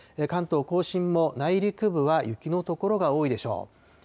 関東甲信も内陸部は雪の所が多いでしょう。